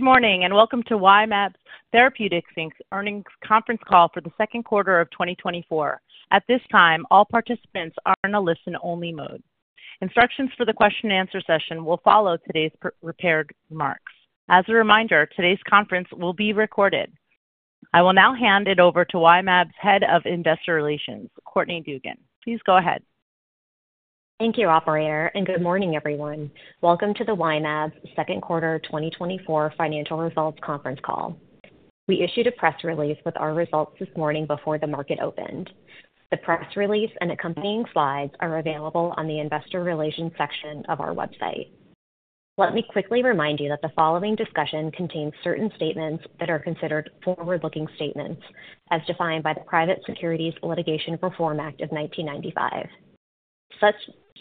Good morning, and welcome to Y-mAbs Therapeutics Inc.'s Earnings Conference Call for the second quarter of 2024. At this time, all participants are in a listen-only mode. Instructions for the question and answer session will follow today's prepared remarks. As a reminder, today's conference will be recorded. I will now hand it over to Y-mAbs's Head of Investor Relations, Courtney Dugan. Please go ahead. Thank you, operator, and good morning, everyone. Welcome to the Y-mAbs second quarter 2024 financial results conference call. We issued a press release with our results this morning before the market opened. The press release and accompanying slides are available on the investor relations section of our website. Let me quickly remind you that the following discussion contains certain statements that are considered forward-looking statements as defined by the Private Securities Litigation Reform Act of 1995. Such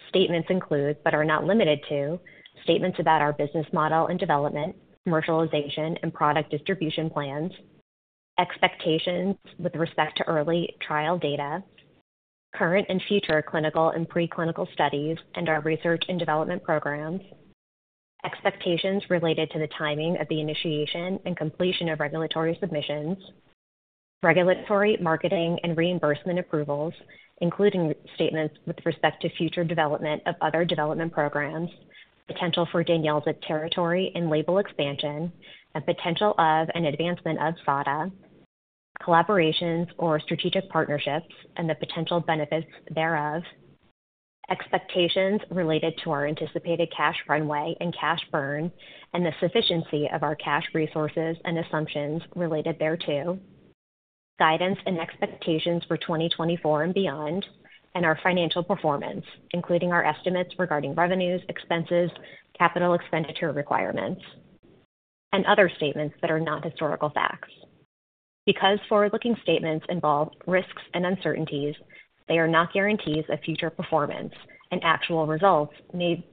statements include, but are not limited to, statements about our business model and development, commercialization and product distribution plans, expectations with respect to early trial data, current and future clinical and preclinical studies, and our research and development programs. Expectations related to the timing of the initiation and completion of regulatory submissions, regulatory, marketing and reimbursement approvals, including statements with respect to future development of other development programs, potential for DANYELZA's territory and label expansion, and potential of an advancement of SADA, collaborations or strategic partnerships and the potential benefits thereof. Expectations related to our anticipated cash runway and cash burn, and the sufficiency of our cash resources and assumptions related thereto, guidance and expectations for 2024 and beyond, and our financial performance, including our estimates regarding revenues, expenses, capital expenditure requirements, and other statements that are not historical facts. Because forward-looking statements involve risks and uncertainties, they are not guarantees of future performance, and actual results may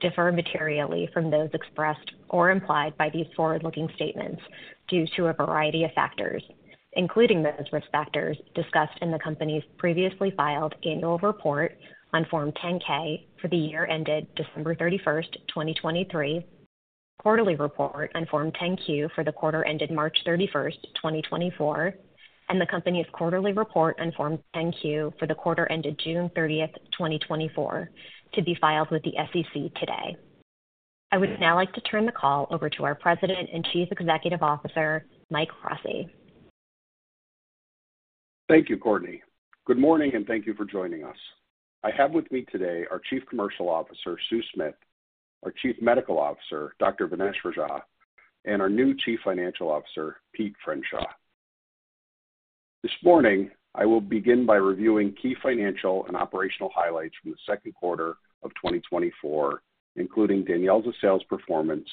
differ materially from those expressed or implied by these forward-looking statements due to a variety of factors, including those risk factors discussed in the company's previously filed annual report on Form 10-K for the year ended December 31, 2023, quarterly report on Form 10-Q for the quarter ended March 31, 2024, and the company's quarterly report on Form 10-Q for the quarter ended June 30, 2024, to be filed with the SEC today. I would now like to turn the call over to our President and Chief Executive Officer, Mike Rossi. Thank you, Courtney. Good morning, and thank you for joining us. I have with me today our Chief Commercial Officer, Sue Smith, our Chief Medical Officer, Dr. Vignesh Rajah, and our new Chief Financial Officer, Peter Pfreundschuh. This morning, I will begin by reviewing key financial and operational highlights from the second quarter of 2024, including DANYELZA sales performance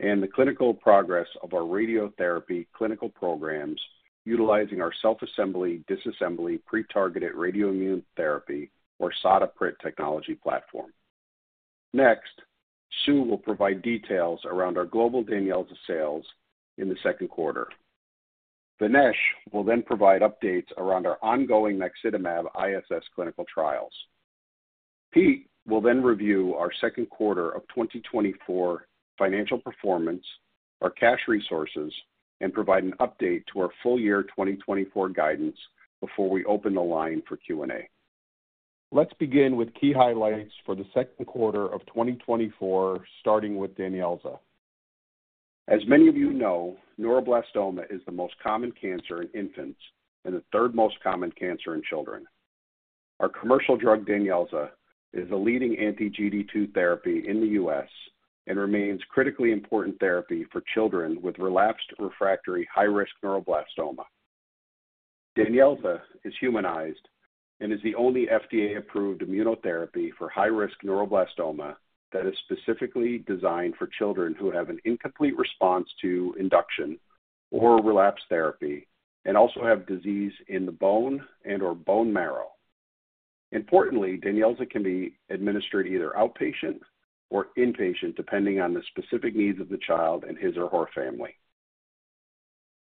and the clinical progress of our radiotherapy clinical programs, utilizing our Self-Assembly Disassembly Pretargeted Radioimmune Therapy, or SADA PRIT technology platform. Next, Sue will provide details around our global DANYELZA sales in the second quarter. Vignesh will then provide updates around our ongoing naxitamab ISS clinical trials. Pete will then review our second quarter of 2024 financial performance, our cash resources, and provide an update to our full year 2024 guidance before we open the line for Q&A. Let's begin with key highlights for the second quarter of 2024, starting with DANYELZA. As many of you know, neuroblastoma is the most common cancer in infants and the third most common cancer in children. Our commercial drug, DANYELZA, is a leading anti-GD2 therapy in the U.S. and remains critically important therapy for children with relapsed, refractory, high-risk neuroblastoma. DANYELZA is humanized and is the only FDA-approved immunotherapy for high-risk neuroblastoma that is specifically designed for children who have an incomplete response to induction or relapse therapy, and also have disease in the bone and/or bone marrow. Importantly, DANYELZA can be administered either outpatient or inpatient, depending on the specific needs of the child and his or her family.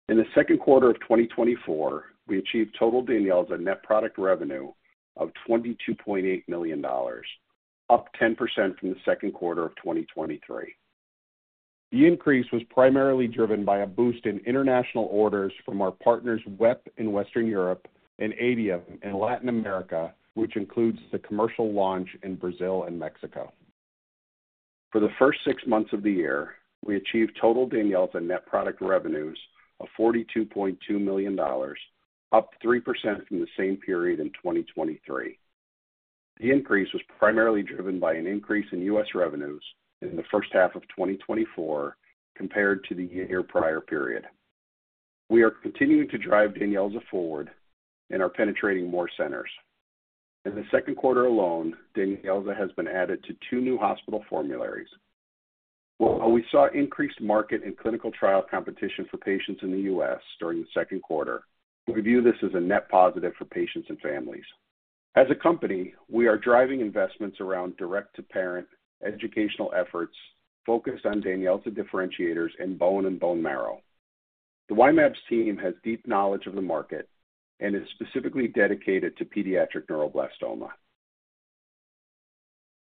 In the second quarter of 2024, we achieved total DANYELZA net product revenue of $22.8 million, up 10% from the second quarter of 2023. The increase was primarily driven by a boost in international orders from our partners, WEP in Western Europe and Adium in Latin America, which includes the commercial launch in Brazil and Mexico. For the first six months of the year, we achieved total DANYELZA net product revenues of $42.2 million, up 3% from the same period in 2023. The increase was primarily driven by an increase in U.S. revenues in the first half of 2024 compared to the year prior period. We are continuing to drive DANYELZA forward and are penetrating more centers. In the second quarter alone, DANYELZA has been added to 2 new hospital formularies. Well, we saw increased market and clinical trial competition for patients in the U.S. during the second quarter. We view this as a net positive for patients and families. As a company, we are driving investments around direct-to-parent educational efforts focused on DANYELZA differentiators in bone and bone marrow. The Y-mAbs team has deep knowledge of the market and is specifically dedicated to pediatric neuroblastoma.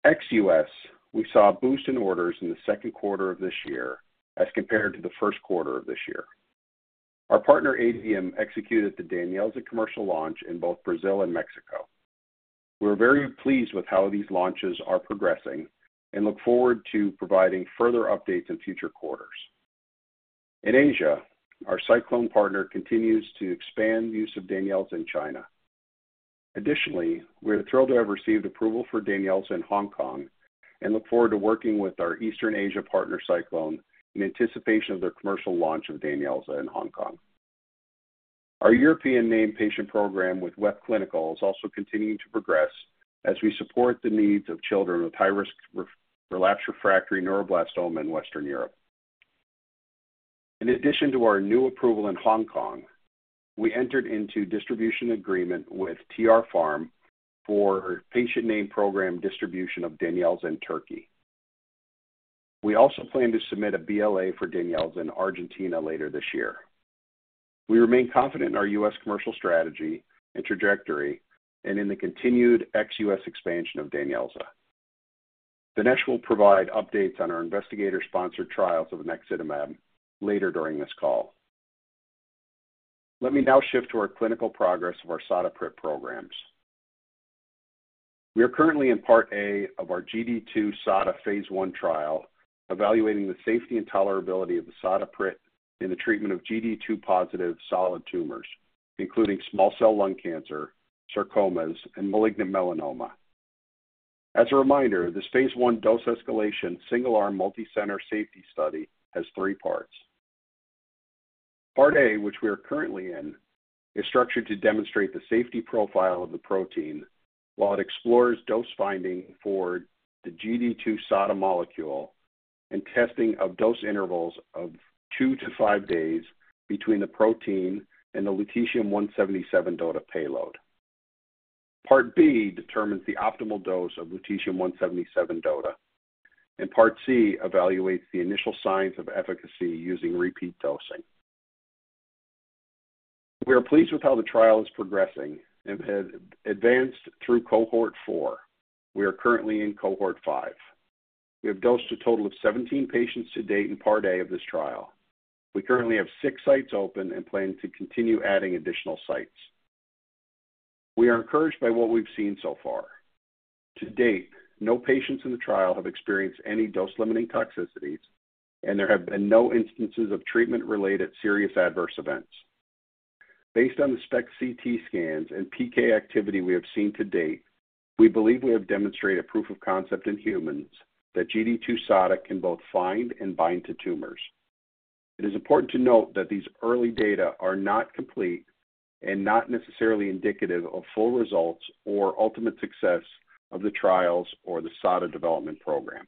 ex-U.S., we saw a boost in orders in the second quarter of this year as compared to the first quarter of this year. Our partner, Adium, executed the DANYELZA commercial launch in both Brazil and Mexico. We're very pleased with how these launches are progressing and look forward to providing further updates in future quarters. In Asia, our SciClone partner continues to expand the use of DANYELZA in China. Additionally, we're thrilled to have received approval for DANYELZA in Hong Kong and look forward to working with our Eastern Asia partner, SciClone, in anticipation of their commercial launch of DANYELZA in Hong Kong. Our European named patient program with WEP Clinical is also continuing to progress as we support the needs of children with high-risk relapsed refractory neuroblastoma in Western Europe. In addition to our new approval in Hong Kong, we entered into distribution agreement with TR Pharm for named patient program distribution of DANYELZA in Turkey. We also plan to submit a BLA for DANYELZA in Argentina later this year. We remain confident in our U.S. commercial strategy and trajectory, and in the continued ex-U.S. expansion of DANYELZA. Vignesh will provide updates on our investigator-sponsored trials of naxitamab later during this call. Let me now shift to our clinical progress of our SADA PRIT programs. We are currently in Part A of our GD2-SADA phase I trial, evaluating the safety and tolerability of the SADA PRIT in the treatment of GD2-positive solid tumors, including small cell lung cancer, sarcomas, and malignant melanoma. As a reminder, this phase I dose escalation, single-arm, multicenter safety study, has three parts. Part A, which we are currently in, is structured to demonstrate the safety profile of the protein while it explores dose finding for the GD2-SADA molecule and testing of dose intervals of two to five days between the protein and the Lutetium-177 DOTA payload. Part B determines the optimal dose of Lutetium-177 DOTA, and Part C evaluates the initial signs of efficacy using repeat dosing. We are pleased with how the trial is progressing and have advanced through cohort 4. We are currently in cohort 5. We have dosed a total of 17 patients to date in Part A of this trial. We currently have 6 sites open and plan to continue adding additional sites. We are encouraged by what we've seen so far. To date, no patients in the trial have experienced any dose-limiting toxicities, and there have been no instances of treatment-related serious adverse events. Based on the SPECT/CT scans and PK activity we have seen to date, we believe we have demonstrated a proof of concept in humans that GD2-SADA can both find and bind to tumors. It is important to note that these early data are not complete and not necessarily indicative of full results or ultimate success of the trials or the SADA development program.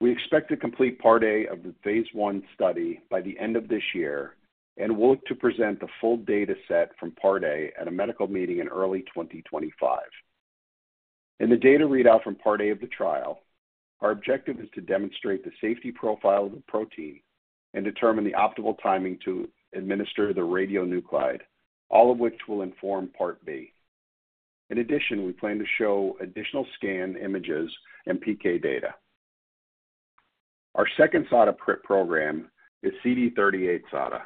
We expect to complete Part A of the phase I study by the end of this year, and look to present the full data set from Part A at a medical meeting in early 2025. In the data readout from Part A of the trial, our objective is to demonstrate the safety profile of the protein and determine the optimal timing to administer the radionuclide, all of which will inform Part B. In addition, we plan to show additional scan images and PK data. Our second SADA PRIT program is CD38-SADA,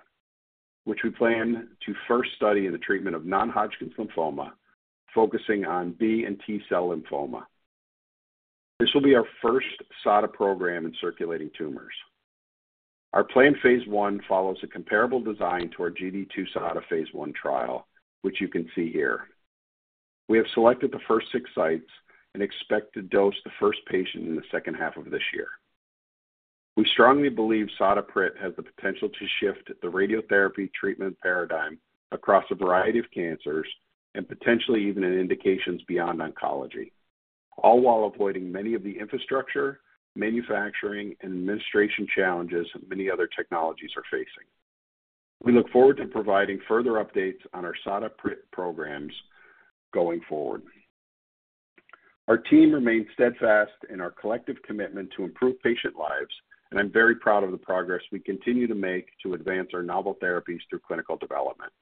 which we plan to first study in the treatment of non-Hodgkin's lymphoma, focusing on B and T cell lymphoma. This will be our first SADA program in circulating tumors. Our planned phase I follows a comparable design to our GD2-SADA phase I trial, which you can see here. We have selected the first six sites and expect to dose the first patient in the second half of this year. We strongly believe SADA PRIT has the potential to shift the radiotherapy treatment paradigm across a variety of cancers and potentially even in indications beyond oncology, all while avoiding many of the infrastructure, manufacturing, and administration challenges many other technologies are facing. We look forward to providing further updates on our SADA PRIT programs going forward. Our team remains steadfast in our collective commitment to improve patient lives, and I'm very proud of the progress we continue to make to advance our novel therapies through clinical development.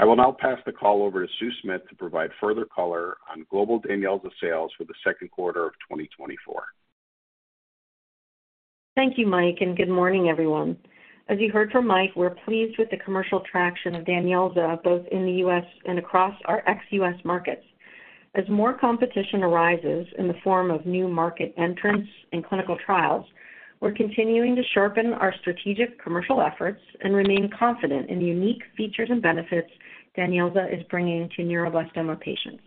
I will now pass the call over to Sue Smith to provide further color on global DANYELZA sales for the second quarter of 2024. Thank you, Mike, and good morning, everyone. As you heard from Mike, we're pleased with the commercial traction of DANYELZA, both in the U.S. and across our ex-U.S. markets. As more competition arises in the form of new market entrants and clinical trials, we're continuing to sharpen our strategic commercial efforts and remain confident in the unique features and benefits DANYELZA is bringing to neuroblastoma patients.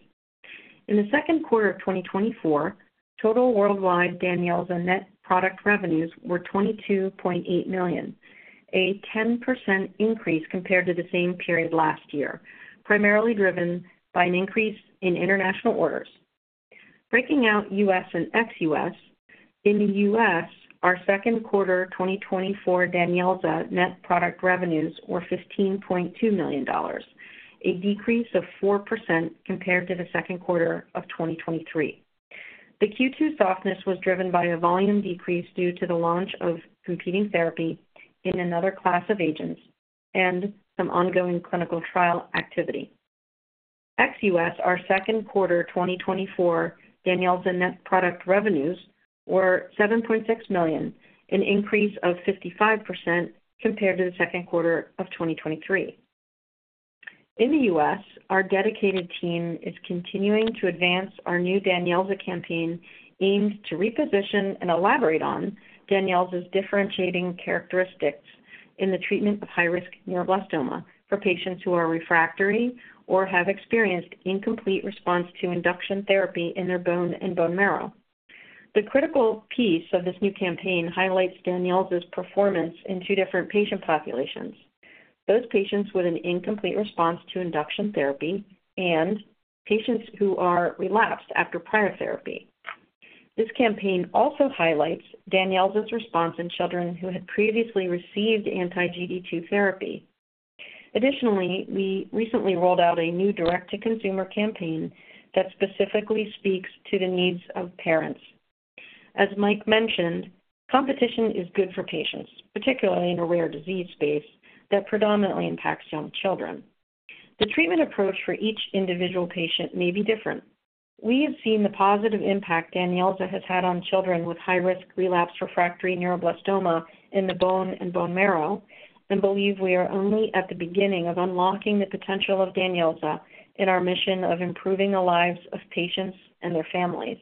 In the second quarter of 2024, total worldwide DANYELZA net product revenues were $22.8 million, a 10% increase compared to the same period last year, primarily driven by an increase in international orders. Breaking out U.S. and ex-U.S., in the U.S., our second quarter 2024 DANYELZA net product revenues were $15.2 million, a decrease of 4% compared to the second quarter of 2023. The Q2 softness was driven by a volume decrease due to the launch of competing therapy in another class of agents and some ongoing clinical trial activity. Ex-U.S., our second quarter 2024 DANYELZA net product revenues were $7.6 million, a 55% increase compared to the second quarter of 2023. In the U.S., our dedicated team is continuing to advance our new DANYELZA campaign, aimed to reposition and elaborate on DANYELZA's differentiating characteristics in the treatment of high-risk neuroblastoma for patients who are refractory or have experienced incomplete response to induction therapy in their bone and bone marrow. The critical piece of this new campaign highlights DANYELZA's performance in two different patient populations. Those patients with an incomplete response to induction therapy and patients who are relapsed after prior therapy. This campaign also highlights DANYELZA's response in children who had previously received anti-GD2 therapy. Additionally, we recently rolled out a new direct-to-consumer campaign that specifically speaks to the needs of parents. As Mike mentioned, competition is good for patients, particularly in a rare disease space that predominantly impacts young children. The treatment approach for each individual patient may be different. We have seen the positive impact DANYELZA has had on children with high-risk, relapsed, refractory neuroblastoma in the bone and bone marrow, and believe we are only at the beginning of unlocking the potential of DANYELZA in our mission of improving the lives of patients and their families.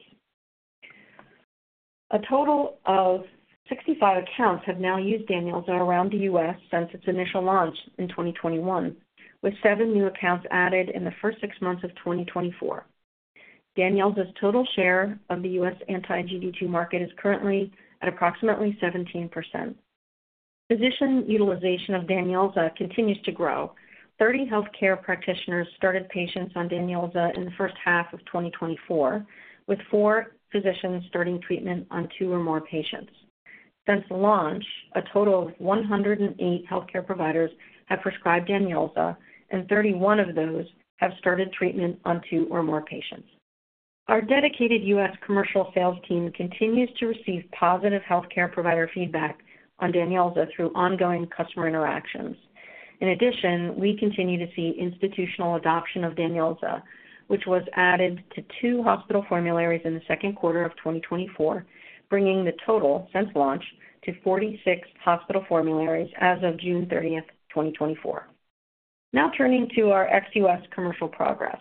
A total of 65 accounts have now used DANYELZA around the U.S. since its initial launch in 2021, with 7 new accounts added in the first six months of 2024. DANYELZA's total share of the U.S. anti-GD2 market is currently at approximately 17%. Physician utilization of DANYELZA continues to grow. 30 healthcare practitioners started patients on DANYELZA in the first half of 2024, with 4 physicians starting treatment on 2 or more patients. Since launch, a total of 108 healthcare providers have prescribed DANYELZA, and 31 of those have started treatment on 2 or more patients. Our dedicated U.S. commercial sales team continues to receive positive healthcare provider feedback on DANYELZA through ongoing customer interactions. In addition, we continue to see institutional adoption of DANYELZA, which was added to 2 hospital formularies in the second quarter of 2024, bringing the total since launch to 46 hospital formularies as of June 30, 2024. Now turning to our ex-U.S. commercial progress.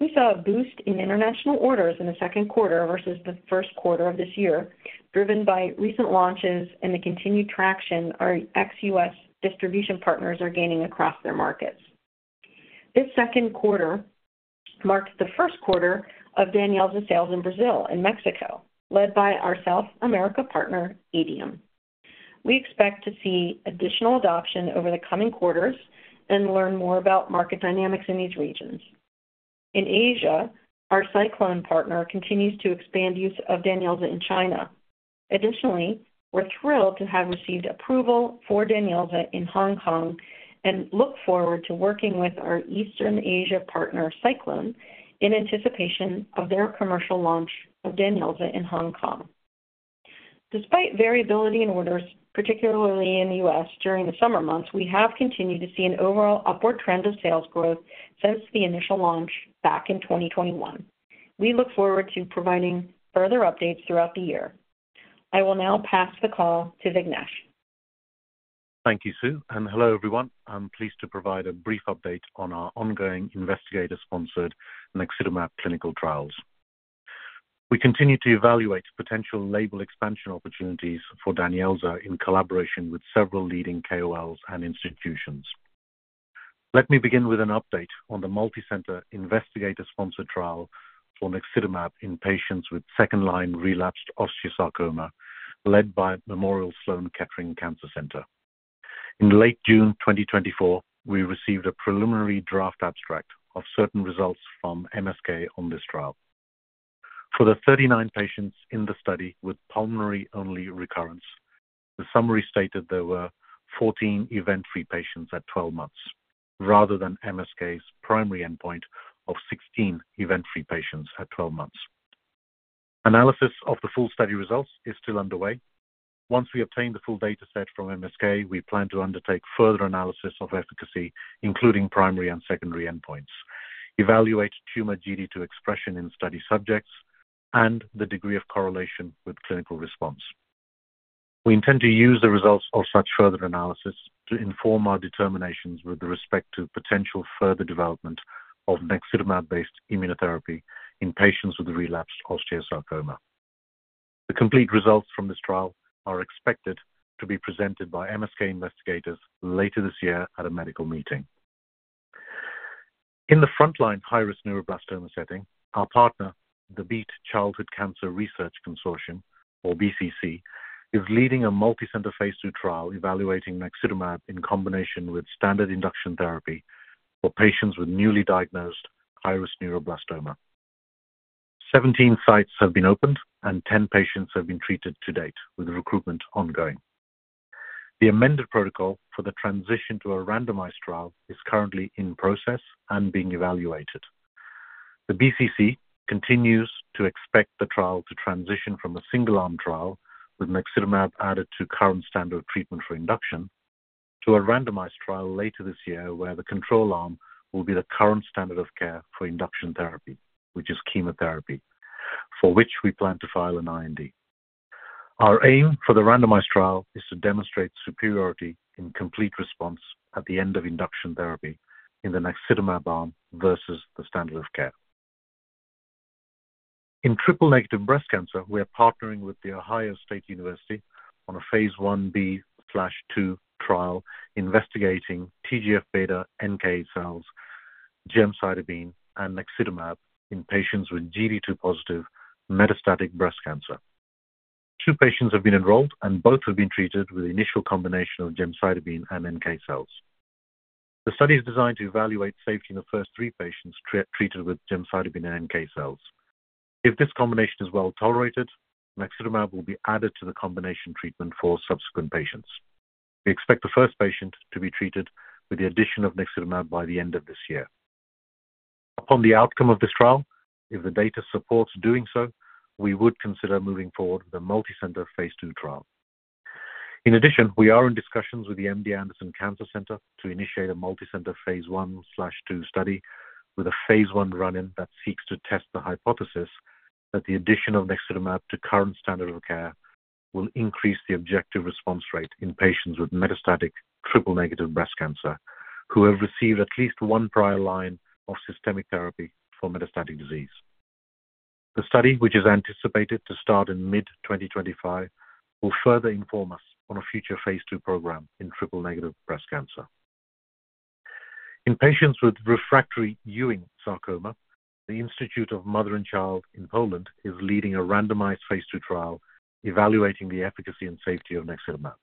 We saw a boost in international orders in the second quarter versus the first quarter of this year, driven by recent launches and the continued traction our ex-U.S. distribution partners are gaining across their markets. This second quarter marked the first quarter of DANYELZA sales in Brazil and Mexico, led by our South America partner, Adium. We expect to see additional adoption over the coming quarters and learn more about market dynamics in these regions. In Asia, our SciClone partner continues to expand use of DANYELZA in China. Additionally, we're thrilled to have received approval for DANYELZA in Hong Kong and look forward to working with our Eastern Asia partner, SciClone, in anticipation of their commercial launch of DANYELZA in Hong Kong. Despite variability in orders, particularly in the U.S. during the summer months, we have continued to see an overall upward trend of sales growth since the initial launch back in 2021. We look forward to providing further updates throughout the year. I will now pass the call to Vignesh. Thank you, Sue, and hello, everyone. I'm pleased to provide a brief update on our ongoing investigator-sponsored naxitamab clinical trials. We continue to evaluate potential label expansion opportunities for DANYELZA in collaboration with several leading KOLs and institutions. Let me begin with an update on the multicenter investigator-sponsored trial for naxitamab in patients with second-line relapsed osteosarcoma, led by Memorial Sloan Kettering Cancer Center. In late June 2024, we received a preliminary draft abstract of certain results from MSK on this trial. For the 39 patients in the study with pulmonary-only recurrence, the summary stated there were 14 event-free patients at 12 months, rather than MSK's primary endpoint of 16 event-free patients at 12 months. Analysis of the full study results is still underway. Once we obtain the full dataset from MSK, we plan to undertake further analysis of efficacy, including primary and secondary endpoints, evaluate tumor GD2 expression in study subjects, and the degree of correlation with clinical response. We intend to use the results of such further analysis to inform our determinations with respect to potential further development of naxitamab-based immunotherapy in patients with relapsed osteosarcoma. The complete results from this trial are expected to be presented by MSK investigators later this year at a medical meeting. In the frontline high-risk neuroblastoma setting, our partner, the Beat Childhood Cancer Research Consortium, or BCC, is leading a multicenter phase II trial evaluating naxitamab in combination with standard induction therapy for patients with newly diagnosed high-risk neuroblastoma. 17 sites have been opened, and 10 patients have been treated to date, with recruitment ongoing. The amended protocol for the transition to a randomized trial is currently in process and being evaluated. The BCC continues to expect the trial to transition from a single-arm trial, with naxitamab added to current standard of treatment for induction, to a randomized trial later this year, where the control arm will be the current standard of care for induction therapy, which is chemotherapy, for which we plan to file an IND. Our aim for the randomized trial is to demonstrate superiority in complete response at the end of induction therapy in the naxitamab arm versus the standard of care. In triple-negative breast cancer, we are partnering with the Ohio State University on a Phase Ib/II trial investigating TGF-beta, NK cells, gemcitabine, and naxitamab in patients with GD2-positive metastatic breast cancer. 2 patients have been enrolled, and both have been treated with initial combination of gemcitabine and NK cells. The study is designed to evaluate safety in the first three patients treated with gemcitabine and NK cells. If this combination is well tolerated, naxitamab will be added to the combination treatment for subsequent patients. We expect the first patient to be treated with the addition of naxitamab by the end of this year. Upon the outcome of this trial, if the data supports doing so, we would consider moving forward with a multicenter phase II trial. In addition, we are in discussions with the MD Anderson Cancer Center to initiate a multicenter phase I/II study, with a phase I run-in that seeks to test the hypothesis that the addition of naxitamab to current standard of care will increase the objective response rate in patients with metastatic triple-negative breast cancer, who have received at least one prior line of systemic therapy for metastatic disease. The study, which is anticipated to start in mid-2025, will further inform us on a future phase II program in triple-negative breast cancer. In patients with refractory Ewing sarcoma, the Institute of Mother and Child in Poland is leading a randomized phase II trial evaluating the efficacy and safety of naxitamab.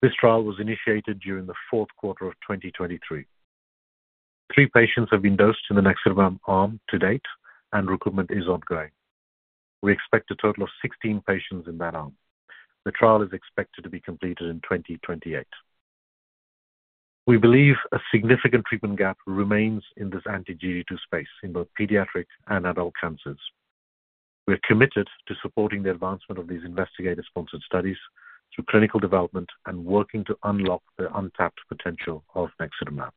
This trial was initiated during the fourth quarter of 2023. 3 patients have been dosed in the naxitamab arm to date, and recruitment is ongoing. We expect a total of 16 patients in that arm. The trial is expected to be completed in 2028. We believe a significant treatment gap remains in this anti-GD2 space, in both pediatric and adult cancers. We are committed to supporting the advancement of these investigator-sponsored studies through clinical development and working to unlock the untapped potential of naxitamab.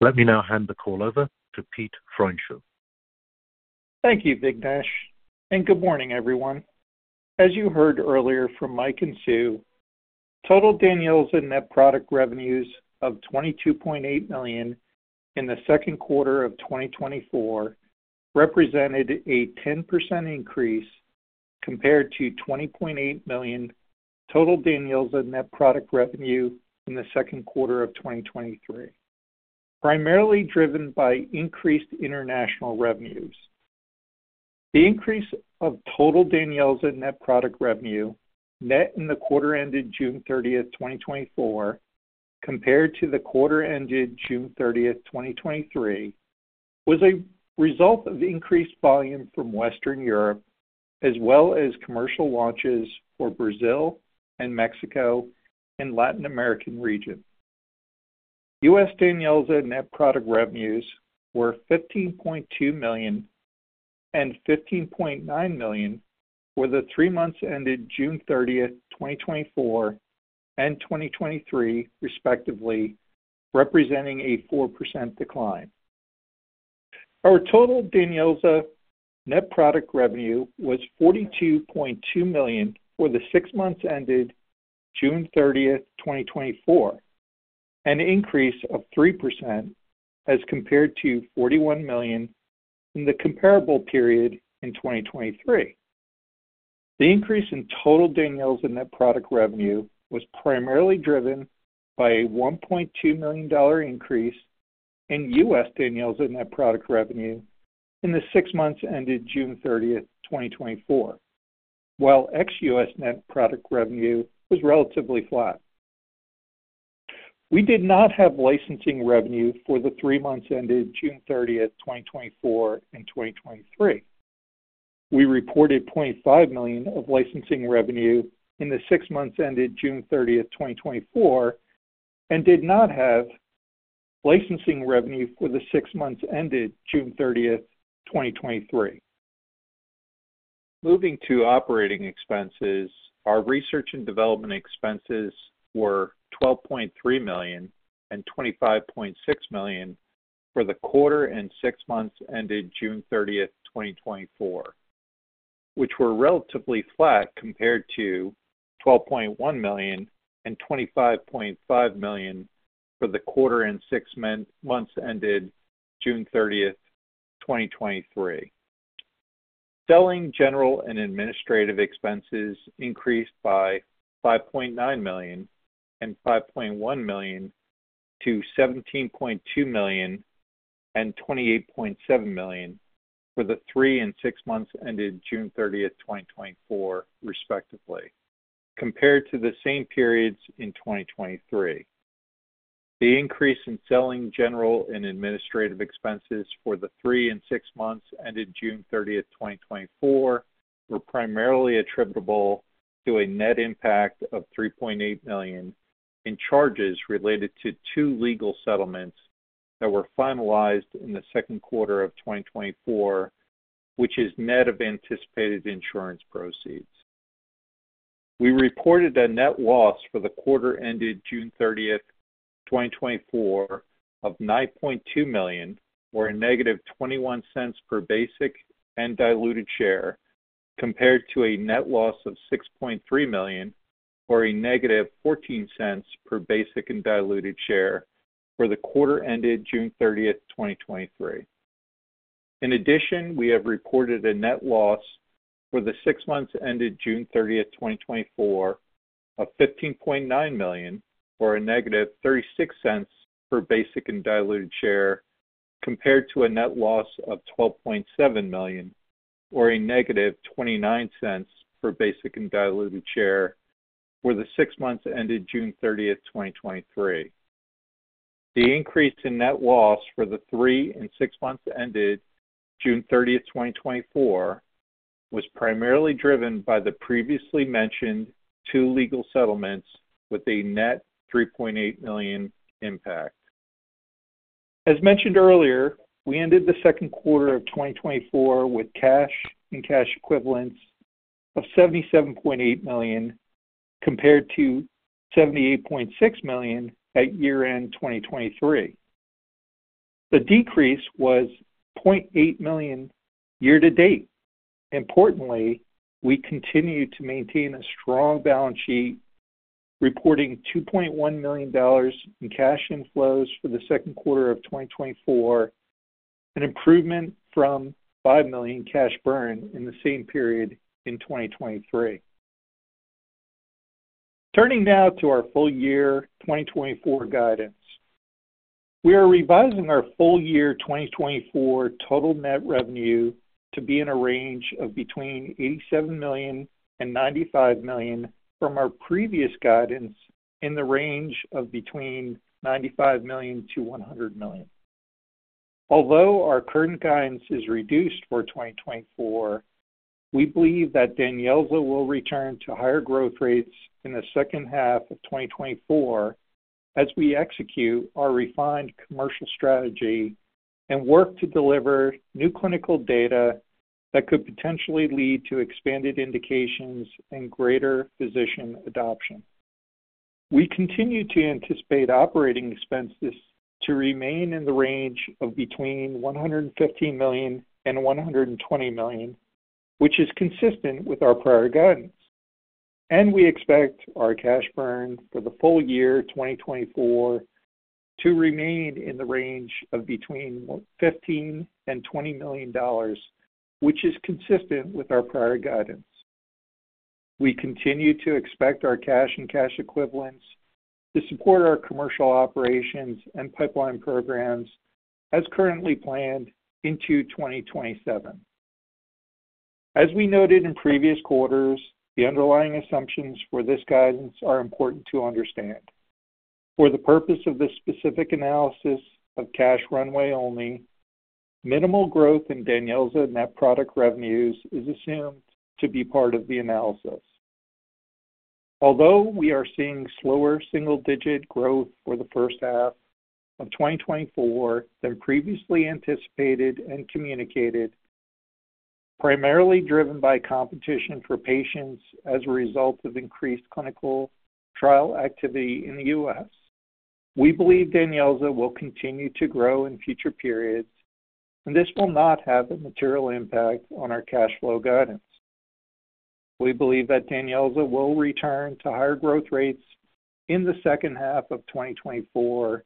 Let me now hand the call over to Pete Pfreundschuh. Thank you, Vignesh, and good morning, everyone. As you heard earlier from Mike and Sue, total DANYELZA net product revenues of $22.8 million in the second quarter of 2024 represented a 10% increase compared to $20.8 million total DANYELZA net product revenue in the second quarter of 2023, primarily driven by increased international revenues. The increase of total DANYELZA net product revenue net in the quarter ended June 30, 2024, compared to the quarter ended June 30, 2023, was a result of increased volume from Western Europe, as well as commercial launches for Brazil and Mexico and Latin American region. U.S. DANYELZA net product revenues were $15.2 million and $15.9 million for the three months ended June 30, 2024 and 2023, respectively, representing a 4% decline. Our total DANYELZA net product revenue was $42.2 million for the six months ended June 30, 2024, an increase of 3% as compared to $41 million in the comparable period in 2023. The increase in total DANYELZA net product revenue was primarily driven by a $1.2 million increase in U.S. DANYELZA net product revenue in the six months ended June 30, 2024, while ex-U.S. net product revenue was relatively flat. We did not have licensing revenue for the three months ended June 30, 2024, and 2023. We reported $25 million of licensing revenue in the six months ended June 30, 2024, and did not have licensing revenue for the six months ended June 30, 2023. Moving to operating expenses, our research and development expenses were $12.3 million and $25.6 million for the quarter and six months ended June 30, 2024, which were relatively flat compared to $12.1 million and $25.5 million for the quarter and six months ended June 30, 2023. Selling general and administrative expenses increased by $5.9 million and $5.1 million to $17.2 million and $28.7 million for the three and six months ended June 30, 2024, respectively, compared to the same periods in 2023.... The increase in selling, general, and administrative expenses for the 3 and 6 months ended June 30, 2024, were primarily attributable to a net impact of $3.8 million in charges related to 2 legal settlements that were finalized in the second quarter of 2024, which is net of anticipated insurance proceeds. We reported a net loss for the quarter ended June 30, 2024, of $9.2 million, or -$0.21 per basic and diluted share, compared to a net loss of $6.3 million, or -$0.14 per basic and diluted share for the quarter ended June 30, 2023. In addition, we have reported a net loss for the six months ended June 30, 2024, of $15.9 million, or -$0.36 per basic and diluted share, compared to a net loss of $12.7 million, or -$0.29 per basic and diluted share for the six months ended June 30, 2023. The increase in net loss for the three and six months ended June 30, 2024, was primarily driven by the previously mentioned two legal settlements with a net $3.8 million impact. As mentioned earlier, we ended the second quarter of 2024 with cash and cash equivalents of $77.8 million, compared to $78.6 million at year-end 2023. The decrease was $0.8 million year-to-date. Importantly, we continue to maintain a strong balance sheet, reporting $2.1 million in cash inflows for the second quarter of 2024, an improvement from $5 million cash burn in the same period in 2023. Turning now to our full year 2024 guidance. We are revising our full year 2024 total net revenue to be in a range of between $87 million and $95 million from our previous guidance in the range of between $95 million to $100 million. Although our current guidance is reduced for 2024, we believe that DANYELZA will return to higher growth rates in the second half of 2024 as we execute our refined commercial strategy and work to deliver new clinical data that could potentially lead to expanded indications and greater physician adoption. We continue to anticipate operating expenses to remain in the range of between $115 million and $120 million, which is consistent with our prior guidance. We expect our cash burn for the full year 2024 to remain in the range of between $115 million and $120 million, which is consistent with our prior guidance. We continue to expect our cash and cash equivalents to support our commercial operations and pipeline programs as currently planned into 2027. As we noted in previous quarters, the underlying assumptions for this guidance are important to understand. For the purpose of this specific analysis of cash runway only, minimal growth in DANYELZA net product revenues is assumed to be part of the analysis. Although we are seeing slower single-digit growth for the first half of 2024 than previously anticipated and communicated, primarily driven by competition for patients as a result of increased clinical trial activity in the U.S., we believe DANYELZA will continue to grow in future periods, and this will not have a material impact on our cash flow guidance. We believe that DANYELZA will return to higher growth rates in the second half of 2024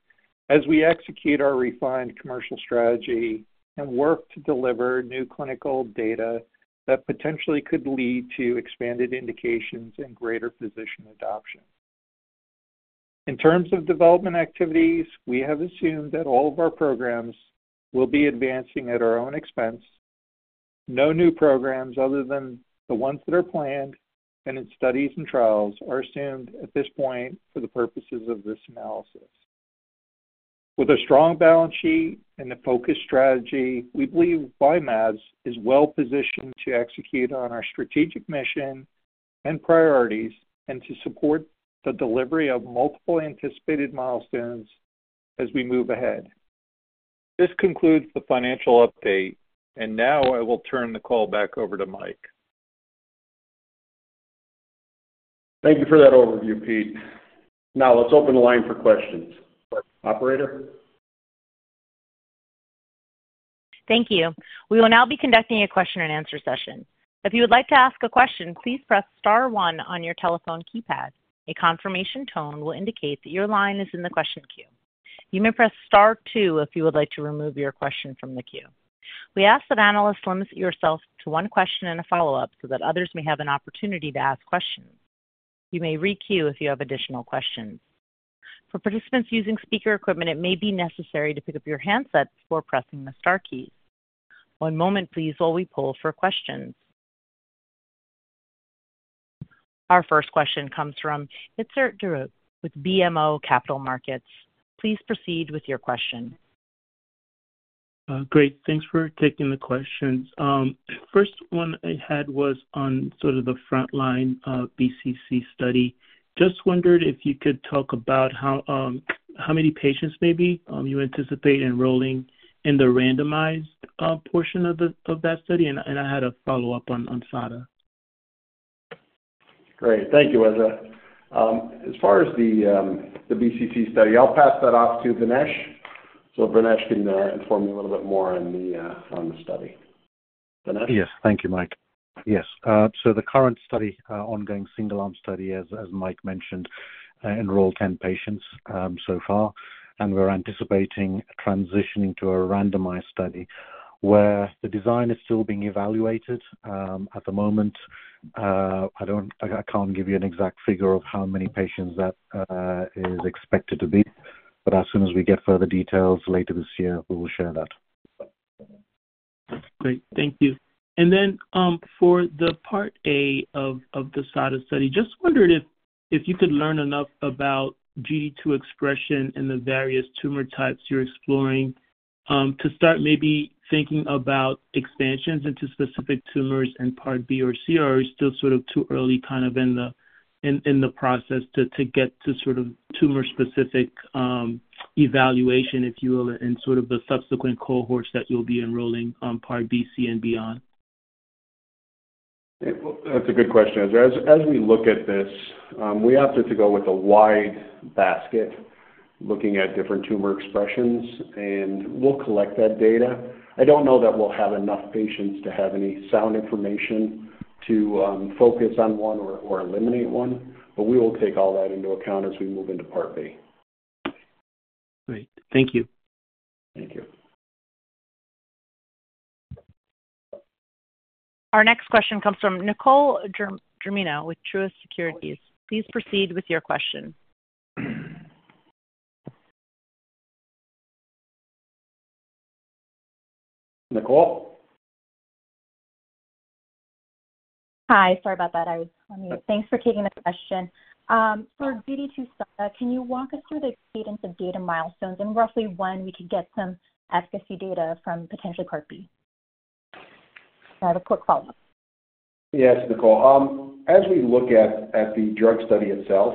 as we execute our refined commercial strategy and work to deliver new clinical data that potentially could lead to expanded indications and greater physician adoption. In terms of development activities, we have assumed that all of our programs will be advancing at our own expense. No new programs other than the ones that are planned and in studies and trials are assumed at this point for the purposes of this analysis. With a strong balance sheet and a focused strategy, we believe Y-mAbs is well positioned to execute on our strategic mission and priorities, and to support the delivery of multiple anticipated milestones as we move ahead. This concludes the financial update, and now I will turn the call back over to Mike. Thank you for that overview, Pete. Now, let's open the line for questions. Operator? Thank you. We will now be conducting a question and answer session. If you would like to ask a question, please press star one on your telephone keypad. A confirmation tone will indicate that your line is in the question queue. You may press star two if you would like to remove your question from the queue. We ask that analysts limit yourselves to one question and a follow-up, so that others may have an opportunity to ask questions. You may re-queue if you have additional questions. For participants using speaker equipment, it may be necessary to pick up your handsets before pressing the star keys. One moment please, while we poll for questions. Our first question comes from Etzer Darout with BMO Capital Markets. Please proceed with your question. Great. Thanks for taking the questions. First one I had was on sort of the frontline BCC study. Just wondered if you could talk about how many patients maybe you anticipate enrolling in the randomized portion of that study. And I had a follow-up on SADA. Great. Thank you, Etzer. As far as the BCC study, I'll pass that off to Vignesh. So Vignesh can inform you a little bit more on the study. Vignesh? Yes. Thank you, Mike. Yes, so the current study, ongoing single-arm study, as Mike mentioned, enrolled 10 patients, so far, and we're anticipating transitioning to a randomized study, where the design is still being evaluated. At the moment, I don't, I can't give you an exact figure of how many patients that is expected to be, but as soon as we get further details later this year, we will share that. Great. Thank you. And then, for the Part A of the SADA study, just wondered if you could learn enough about GD2 expression in the various tumor types you're exploring, to start maybe thinking about expansions into specific tumors in Part B or C, or are we still sort of too early kind of in the process to get to sort of tumor-specific evaluation, if you will, in sort of the subsequent cohorts that you'll be enrolling on Part B, C and beyond? Well, that's a good question, Etzer. As we look at this, we opted to go with a wide basket looking at different tumor expressions, and we'll collect that data. I don't know that we'll have enough patients to have any sound information to focus on one or eliminate one, but we will take all that into account as we move into Part B. Great. Thank you. Thank you. Our next question comes from Nicole Germino with Truist Securities. Please proceed with your question. Nicole? Hi, sorry about that. I was on mute. Thanks for taking the question. For GD2-SADA, can you walk us through the cadence of data milestones and roughly when we could get some efficacy data from potentially Part B? I have a quick follow-up. Yes, Nicole. As we look at the drug study itself,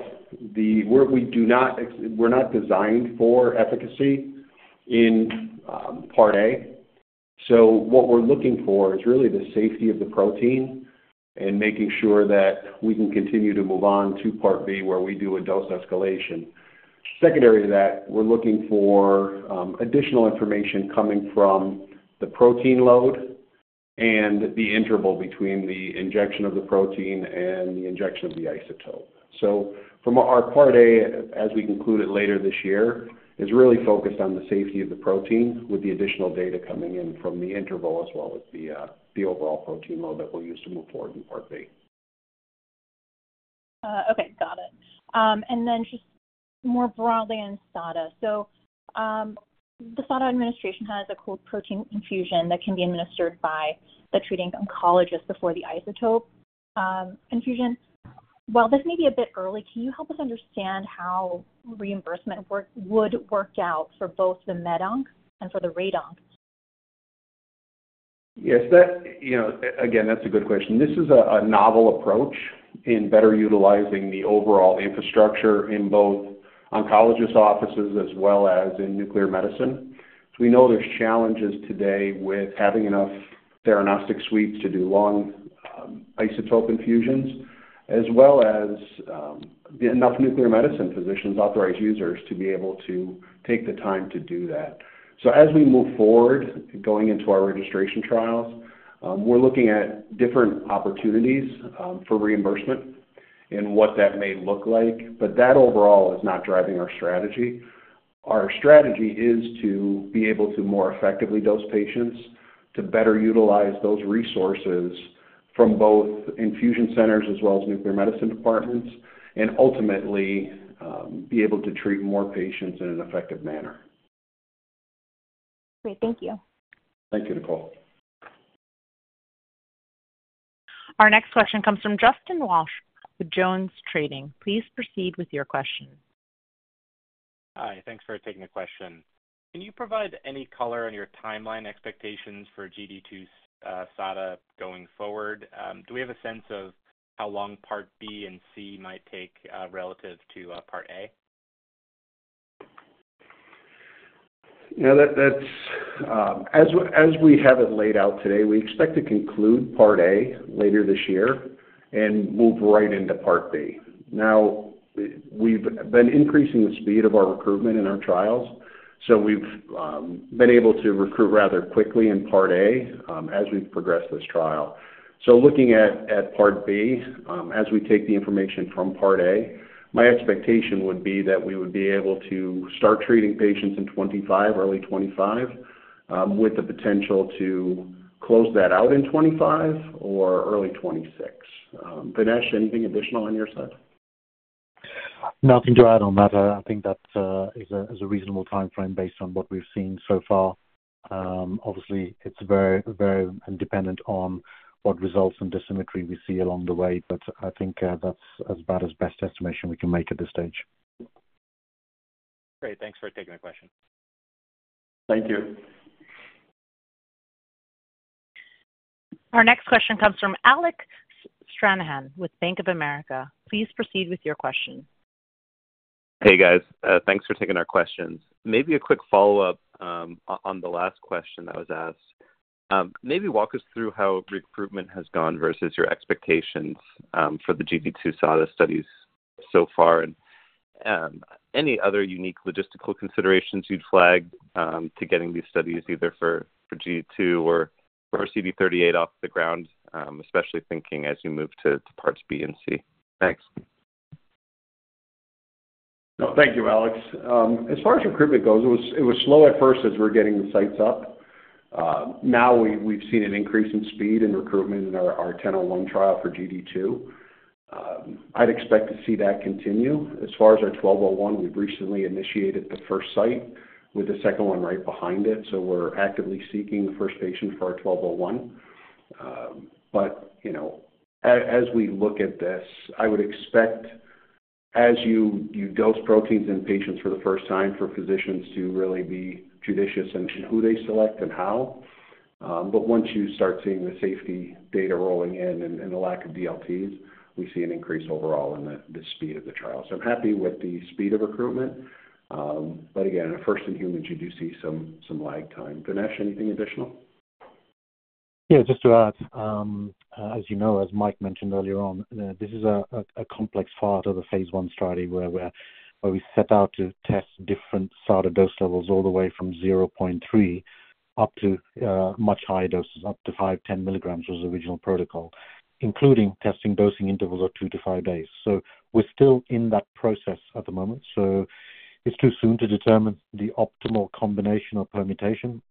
the work we're not designed for efficacy in Part A. So what we're looking for is really the safety of the protein and making sure that we can continue to move on to Part B, where we do a dose escalation. Secondary to that, we're looking for additional information coming from the protein load and the interval between the injection of the protein and the injection of the isotope. So from our Part A, as we conclude it later this year, is really focused on the safety of the protein, with the additional data coming in from the interval, as well as the overall protein load that we'll use to move forward in Part B. Okay, got it. And then just more broadly in SADA. The SADA administration has a cold protein infusion that can be administered by the treating oncologist before the isotope infusion. While this may be a bit early, can you help us understand how reimbursement work would work out for both the med onc and for the rad onc? Yes, that, you know, again, that's a good question. This is a novel approach in better utilizing the overall infrastructure in both oncologist offices as well as in nuclear medicine. So we know there's challenges today with having enough theranostic suites to do long isotope infusions, as well as enough nuclear medicine physicians, authorized users, to be able to take the time to do that. So as we move forward, going into our registration trials, we're looking at different opportunities for reimbursement and what that may look like, but that overall is not driving our strategy. Our strategy is to be able to more effectively dose patients, to better utilize those resources from both infusion centers as well as nuclear medicine departments, and ultimately be able to treat more patients in an effective manner. Great. Thank you. Thank you, Nicole. Our next question comes from Justin Walsh with JonesTrading. Please proceed with your question. Hi. Thanks for taking the question. Can you provide any color on your timeline expectations for GD2-SADA going forward? Do we have a sense of how long Part B and C might take relative to Part A? You know, that's as we have it laid out today, we expect to conclude Part A later this year and move right into Part B. Now, we've been increasing the speed of our recruitment in our trials, so we've been able to recruit rather quickly in Part A, as we've progressed this trial. So looking at Part B, as we take the information from Part A, my expectation would be that we would be able to start treating patients in 2025, early 2025, with the potential to close that out in 2025 or early 2026. Vignesh, anything additional on your side? .Nothing to add on matter. I think that is a reasonable timeframe based on what we've seen so far. Obviously, it's very, very dependent on what results and dosimetry we see along the way, but I think that's about as best estimation we can make at this stage. Great, thanks for taking my question. Thank you. Our next question comes from Alec Stranahan with Bank of America. Please proceed with your question. Hey, guys. Thanks for taking our questions. Maybe a quick follow-up on the last question that was asked. Maybe walk us through how recruitment has gone versus your expectations for the GD2-SADA studies so far, and any other unique logistical considerations you'd flag to getting these studies, either for GD2 or for CD38 off the ground, especially thinking as you move to parts B and C. Thanks. Thank you, Alec. As far as recruitment goes, it was slow at first as we're getting the sites up. Now we've seen an increase in speed and recruitment in our 101 trial for GD2. I'd expect to see that continue. As far as our 1201, we've recently initiated the first site with the second one right behind it, so we're actively seeking the first patient for our 1201. But you know, as we look at this, I would expect, as you dose proteins in patients for the first time, for physicians to really be judicious in who they select and how. But once you start seeing the safety data rolling in and the lack of DLTs, we see an increase overall in the speed of the trial. I'm happy with the speed of recruitment, but again, first in humans, you do see some lag time. Vignesh, anything additional? Yeah, just to add, as you know, as Mike mentioned earlier on, this is a complex part of the phase 1 study, where we set out to test different sort of dose levels all the way from 0.3 up to much higher doses, up to 5 to 10 milligrams, was the original protocol, including testing dosing intervals of 2 to 5 days. So we're still in that process at the moment, so it's too soon to determine the optimal combination or permutation.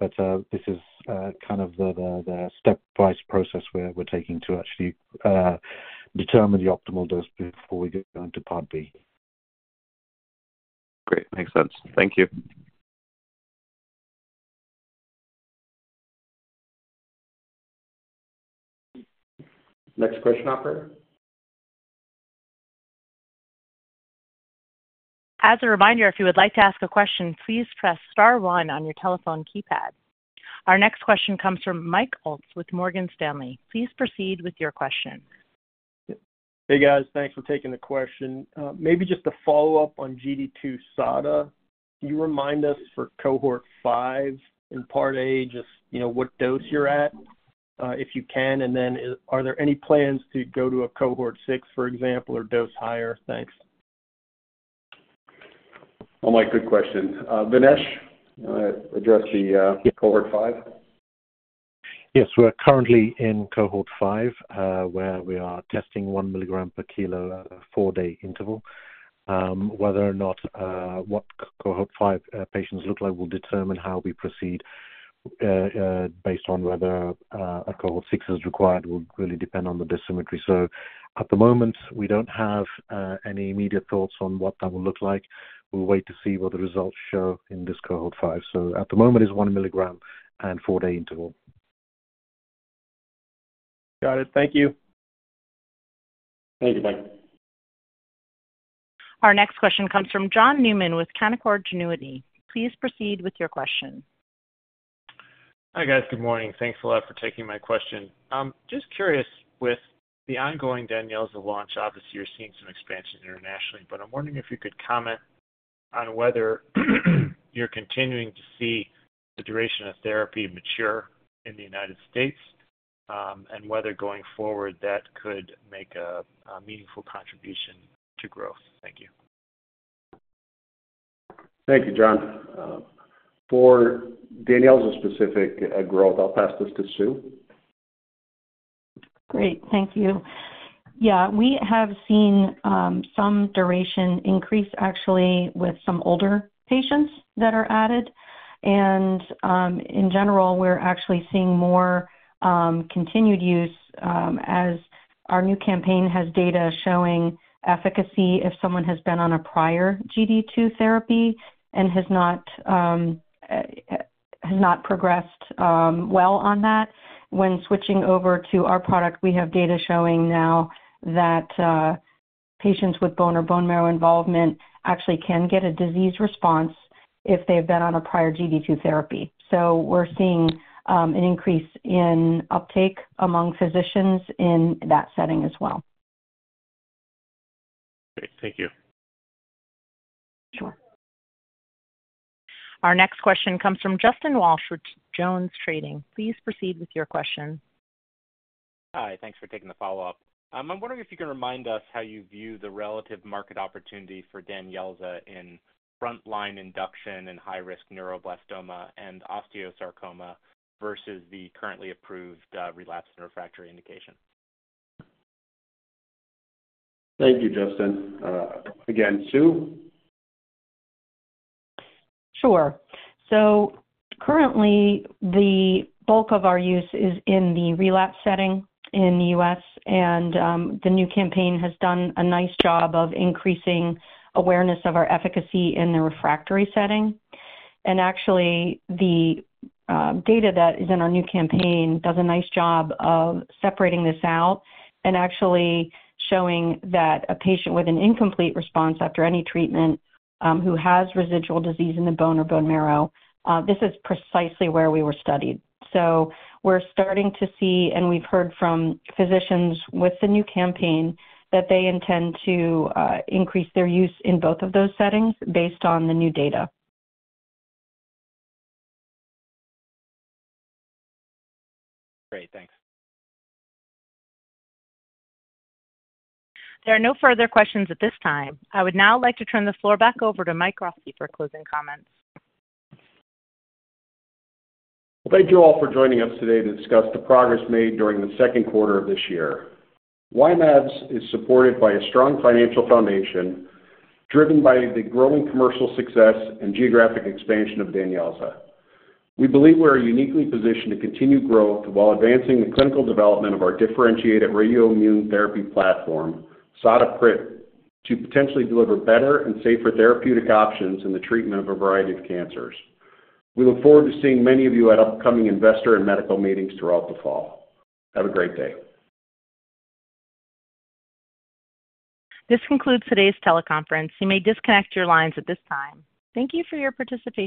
But this is kind of the stepwise process where we're taking to actually determine the optimal dose before we get onto part B. Great, makes sense. Thank you. Next question, operator. As a reminder, if you would like to ask a question, please press star one on your telephone keypad. Our next question comes from Mike Ulz with Morgan Stanley. Please proceed with your question. Hey, guys. Thanks for taking the question. Maybe just a follow-up on GD2-SADA. Can you remind us for cohort 5 in part A, just, you know, what dose you're at, if you can, and then are there any plans to go to a cohort 6, for example, or dose higher? Thanks. Well, Mike, good question. Vignesh, address the, Yeah cohort 5. Yes, we're currently in cohort 5, where we are testing 1 milligram per kilo at a 4-day interval. Whether or not what cohort 5 patients look like will determine how we proceed, based on whether a cohort 6 is required, will really depend on the dosimetry. So at the moment, we don't have any immediate thoughts on what that will look like. We'll wait to see what the results show in this cohort 5. So at the moment, it's 1 milligram and 4-day interval. Got it. Thank you. Thank you, Mike. Our next question comes from John Newman with Canaccord Genuity. Please proceed with your question. Hi, guys. Good morning. Thanks a lot for taking my question. Just curious, with the ongoing DANYELZA's launch, obviously, you're seeing some expansion internationally, but I'm wondering if you could comment on whether you're continuing to see the duration of therapy mature in the United States, and whether going forward that could make a meaningful contribution to growth. Thank you. Thank you, John. For DANYELZA's specific growth, I'll pass this to Sue. Great. Thank you. Yeah, we have seen some duration increase, actually, with some older patients that are added. And in general, we're actually seeing more continued use as our new campaign has data showing efficacy if someone has been on a prior GD2 therapy and has not progressed well on that. When switching over to our product, we have data showing now that patients with bone or bone marrow involvement actually can get a disease response if they've been on a prior GD2 therapy. So we're seeing an increase in uptake among physicians in that setting as well. Great. Thank you. Sure. Our next question comes from Justin Walsh with JonesTrading. Please proceed with your question. Hi, thanks for taking the follow-up. I'm wondering if you can remind us how you view the relative market opportunity for DANYELZA in frontline induction and high-risk neuroblastoma and osteosarcoma versus the currently approved relapsed refractory indication. Thank you, Justin. Again, Sue? Sure. So currently, the bulk of our use is in the relapse setting in the U.S., and, the new campaign has done a nice job of increasing awareness of our efficacy in the refractory setting. And actually, the data that is in our new campaign does a nice job of separating this out and actually showing that a patient with an incomplete response after any treatment, who has residual disease in the bone or bone marrow, this is precisely where we were studied. So we're starting to see, and we've heard from physicians with the new campaign, that they intend to, increase their use in both of those settings based on the new data. Great. Thanks. There are no further questions at this time. I would now like to turn the floor back over to Mike Rossi for closing comments. Thank you all for joining us today to discuss the progress made during the second quarter of this year. Y-mAbs is supported by a strong financial foundation, driven by the growing commercial success and geographic expansion of DANYELZA. We believe we're uniquely positioned to continue growth while advancing the clinical development of our differentiated radioimmune therapy platform, SADA PRIT, to potentially deliver better and safer therapeutic options in the treatment of a variety of cancers. We look forward to seeing many of you at upcoming investor and medical meetings throughout the fall. Have a great day. This concludes today's teleconference. You may disconnect your lines at this time. Thank you for your participation.